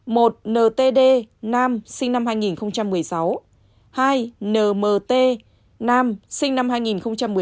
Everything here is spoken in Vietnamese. một ntd nam sinh năm hai nghìn một mươi sáu hai nmt nam sinh năm hai nghìn một mươi bảy